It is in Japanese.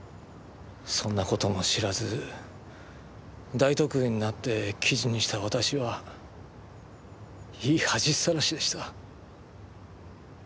そんな事も知らず大得意になって記事にした私はいい恥さらしでした。